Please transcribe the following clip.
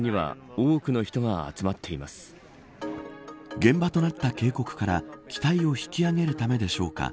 現場となった渓谷から機体を引き揚げるためでしょうか。